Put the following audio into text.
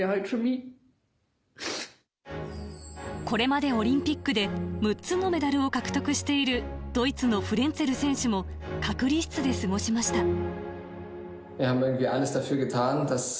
これまでオリンピックで、６つのメダルを獲得しているドイツのフレンツェル選手も、隔離室で過ごしました。